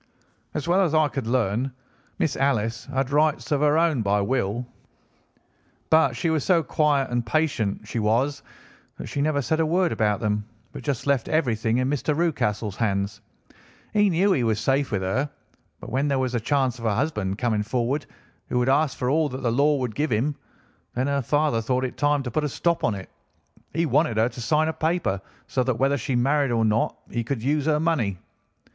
As well as I could learn, Miss Alice had rights of her own by will, but she was so quiet and patient, she was, that she never said a word about them but just left everything in Mr. Rucastle's hands. He knew he was safe with her; but when there was a chance of a husband coming forward, who would ask for all that the law would give him, then her father thought it time to put a stop on it. He wanted her to sign a paper, so that whether she married or not, he could use her money.